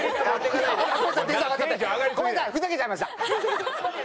ごめんなさいふざけちゃいました！